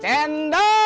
jendal manis dingin